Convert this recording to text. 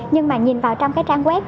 nhưng mà nhìn vào trong cái trang web